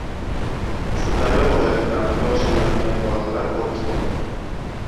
Sirdaryo viloyatida amalga oshiriladigan loyihalar ko‘rib chiqildi